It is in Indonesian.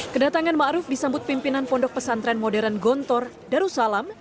kedatangan ma'ruf disambut pimpinan pondok pesantren modern gontor darussalam